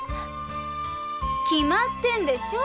決まってんでしょ。